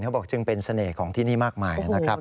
บอกจึงเป็นเสน่ห์ของที่นี่มากมายนะครับ